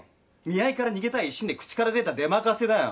見合いから逃げたい一心で口から出た出任せだよ。